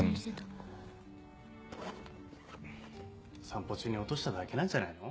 散歩中に落としただけなんじゃないの？